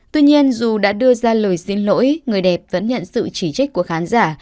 tuy nhiên dù đã đưa ra lời xin lỗi người đẹp vẫn nhận sự chỉ trích của khán giả